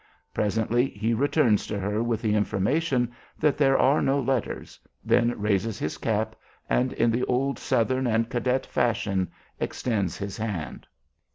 Presently he returns to her with the information that there are no letters; then raises his cap, and, in the old Southern and cadet fashion, extends his hand.